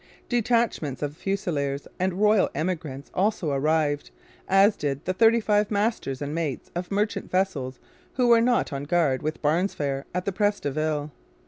Detachments of Fusiliers and Royal Emigrants also arrived, as did the thirty five masters and mates of merchant vessels who were not on guard with Barnsfair at the Pres de Ville.